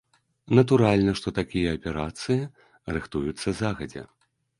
Натуральна, што такія аперацыі рыхтуюцца загадзя.